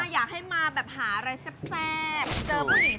ใช่จ้าอยากให้มาหาอะไรแซ่บเจอผู้หญิงแซ่บไหวละ